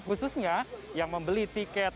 khususnya yang membeli tiket vip royal ticket